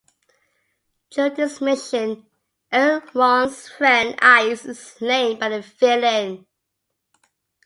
During this mission, L-Ron's friend Ice is slain by the villain.